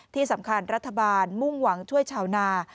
ที่สำคัญรัฐบาลมุ่งหวังช่วยชาวนา